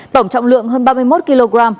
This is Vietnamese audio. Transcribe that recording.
tổng trọng lượng hơn ba mươi một kg